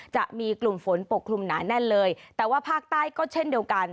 จะมีกลุ่มฝนปกคลุมหนาแน่นเลยแต่ว่าภาคใต้ก็เช่นเดียวกัน